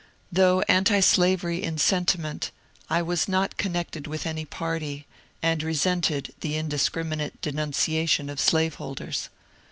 Although antislavery in sentiment, I was not connected with any party, and resented the indiscriminate denunciation of slaveholders.